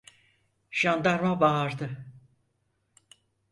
Jandarma bağırdı: